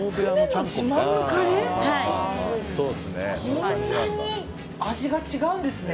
こんなに味が違うんですね。